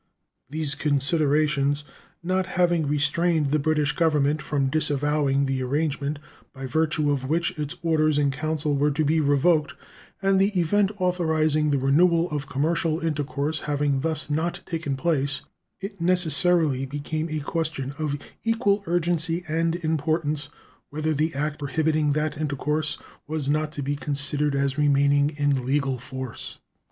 These considerations not having restrained the British Government from disavowing the arrangement by virtue of which its orders in council were to be revoked, and the event authorizing the renewal of commercial intercourse having thus not taken place, it necessarily became a question of equal urgency and importance whether the act prohibiting that intercourse was not to be considered as remaining in legal force.